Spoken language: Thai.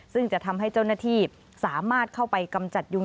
ซึ่งจะทำให้เจ้าหน้าที่สามารถเข้าไปกำจัดยุง